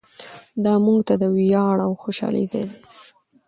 دا موږ ته د ویاړ او خوشحالۍ ځای دی.